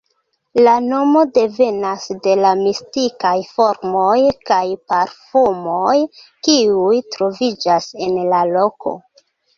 La nomo devenas de la mistikaj formoj kaj parfumoj kiuj troviĝas en la loko.